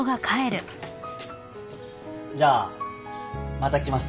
じゃあまた来ます。